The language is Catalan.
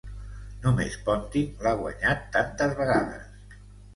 Només Ponting l'ha guanyat tantes vegades.